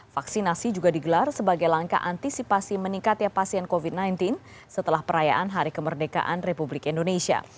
vaksinasi juga digelar sebagai langkah antisipasi meningkatnya pasien covid sembilan belas setelah perayaan hari kemerdekaan republik indonesia